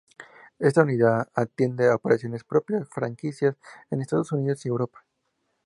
Esta unidad atiende operaciones propias y franquicias, en Estados Unidos y Europa.